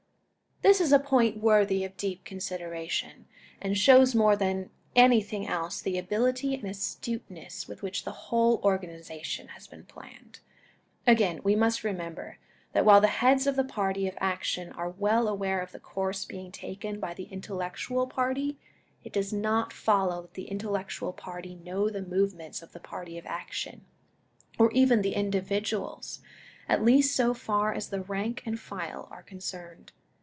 This is a point worthy of deep consideration, and shows more than anything else, the ability and astuteness with which the whole organization has been planned. Again, we must remember, that while the heads of the party of action are well aware of the course being taken by the intellectual party, it does not follow that the intellectual party know the movements of the party of action, or even the individuals, at least so far as the rank and file are concerned.